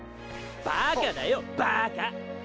バカだよバカ！